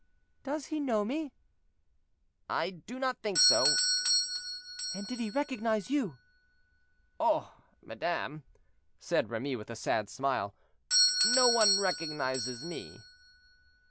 "Does he know me?" "I do not think so." "And did he recognize you?" "Oh! madame," said Remy, with a sad smile, "no one recognizes me."